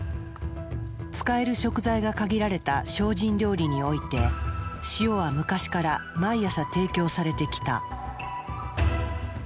使える食材が限られた精進料理において塩は昔から毎朝提供されてきた。